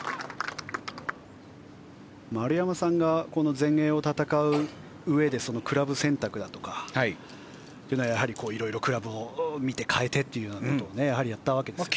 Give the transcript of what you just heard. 丸山さんがこの全英を戦ううえでクラブ選択だとかはいろいろクラブを見て替えてというのをやったわけですよね。